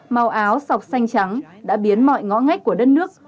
màu áo sọc xanh trắng đã biến mọi ngõ ngách của đất nước